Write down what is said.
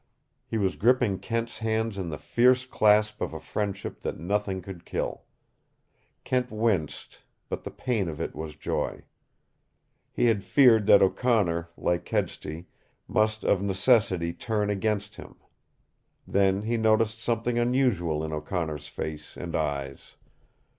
He was gripping Kent's hands in the fierce clasp of a friendship that nothing could kill. Kent winced, but the pain of it was joy. He had feared that O'Connor, like Kedsty, must of necessity turn against him. Then he noticed something unusual in O'Connor's face and eyes.